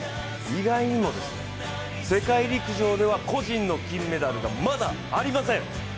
意外にも世界陸上では個人の金メダルがまだありません。